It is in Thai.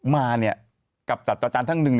มากับจัดต่อจานทั้งหนึ่ง